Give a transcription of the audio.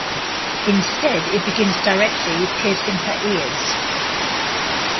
Instead it begins directly with piercing her ears.